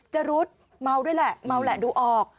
จรุดเมาด้วยแหละเมาแหละดูออก